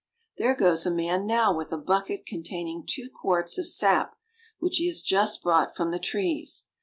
There goes a man now with a bucket containing two quarts of sap which he has just brought from the trees.